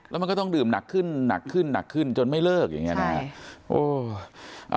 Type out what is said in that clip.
แล้วมันก็ต้องดื่มหนักขึ้นหนักขึ้นหนักขึ้นจนไม่เลิกอย่างนี้นะครับ